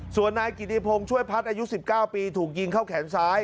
ส่วนนายกิติพงศ์ช่วยพัฒน์อายุ๑๙ปีถูกยิงเข้าแขนซ้าย